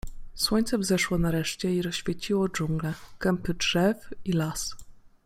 Słońce wzeszło nareszcie i rozświeciło dżunglę, kępy drzew i las.